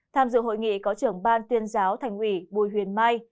tham dự hội nghị có trưởng ban tuyên giáo thành ủy bùi huyền mai